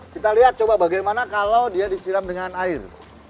kita lihat coba bagaimana kalau dia disiram dengan air